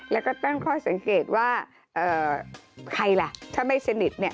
แล้วก็ตั้งข้อสังเกตว่าใครล่ะถ้าไม่สนิทเนี่ย